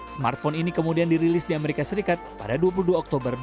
smartphone ini kemudian dirilis di amerika serikat pada dua puluh dua oktober dua ribu dua